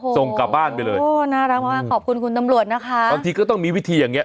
ส่งกลับบ้านไปเลยโอ้น่ารักมากขอบคุณคุณตำรวจนะคะบางทีก็ต้องมีวิธีอย่างเงี้